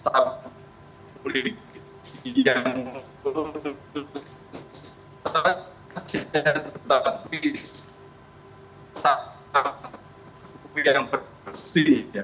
yang berkursi tapi sapu yang berkursi